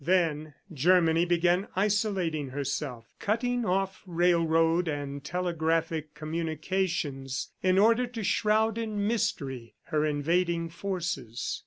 Then Germany began isolating herself, cutting off railroad and telegraphic communications in order to shroud in mystery her invading forces.